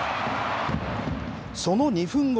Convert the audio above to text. その２分後。